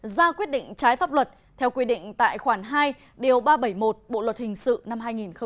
ra quyết định trái pháp luật theo quy định tại khoản hai điều ba trăm bảy mươi một bộ luật hình sự năm hai nghìn một mươi năm